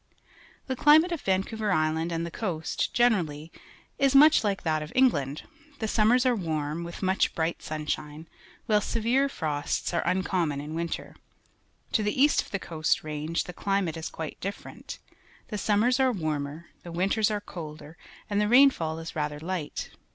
The climate of Vancouver Island and the coast generally is much hke that of England ; the summers are warm, with much bright sunshine, while severe frosts are un common in winter. To the east of the Coast Range the climate is quite different. The summers are warmer, the winters are colder, and the rainfall is rather light.